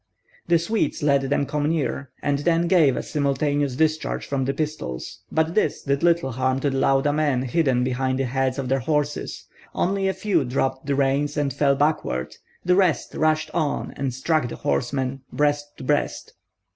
The Swedes let them come near, and then gave a simultaneous discharge from their pistols; but this did little harm to the Lauda men hidden behind the heads of their horses; only a few dropped the reins and fell backward, the rest rushed on and struck the horsemen, breast to breast.